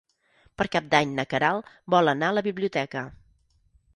Per Cap d'Any na Queralt vol anar a la biblioteca.